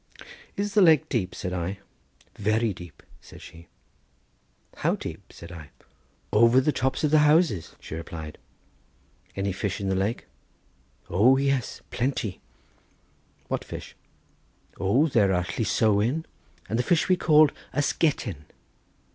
"Is the lake deep?" said I. "Very deep," said she. "How deep?" said I. "Over the tops of the houses," she replied. "Any fish in the lake?" "O yes! plenty." "What fish?" "O there are llysowen, and the fish we call ysgetten."